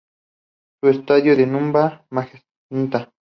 Su estadio es el Numa-Daly Magenta.